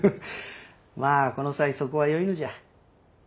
まぁこの際そこはよいのじゃ。